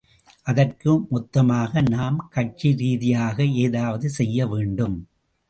அதற்கு மொத்தமாக நாம் கட்சி ரீதியாக ஏதாவது செய்ய வேண்டும்.